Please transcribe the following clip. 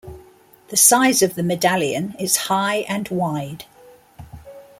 The size of the medallion is high and wide.